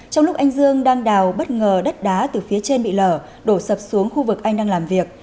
trong lúc anh dương đang đào bất ngờ đất đá từ phía trên bị lở đổ sập xuống khu vực anh đang làm việc